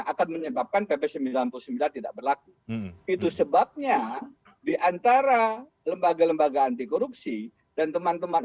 akan menyebabkan pp sembilan puluh sembilan tidak berlaku itu sebabnya diantara lembaga lembaga anti korupsi dan teman teman